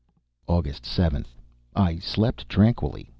August 7th. I slept tranquilly.